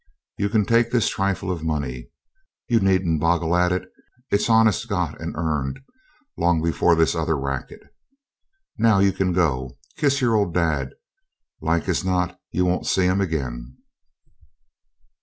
You can take this trifle of money. You needn't boggle at it; it's honest got and earned, long before this other racket. Now you can go. Kiss your old dad; like as not you won't see him again.'